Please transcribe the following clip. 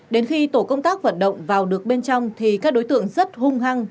đến khi tổ công tác vận động vào được bên trong thì các đối tượng rất hung hăng